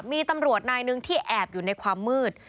มีตำรวจนายหนึ่งที่แอบอยู่ในความมืด